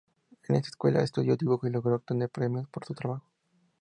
En esta escuela estudió dibujo y logró obtener premios por su trabajo.